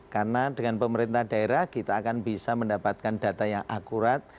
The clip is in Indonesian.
karena dengan pemerintah daerah kita akan bisa mendapatkan data yang akurat